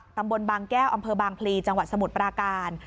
ตำบลบางแก้วอำเภอบางพลีจังหวัดสมุทรปราการ